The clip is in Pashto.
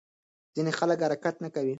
ځینې خلک حرکت نه کوي.